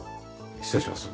失礼します。